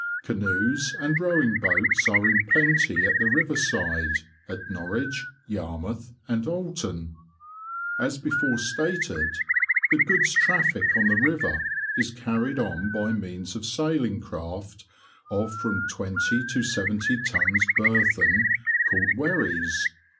Canoes and rowing boats are in plenty at the riverside, at Norwich, Yarmouth, and Oulton. As before stated, the goods traffic on the river is carried on by means of sailing craft of from 20 to 70 tons burthen, called wherries.